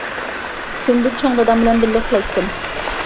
كۈندە چوڭ دادام بىلەن بىللە ئۇخلايتتىم.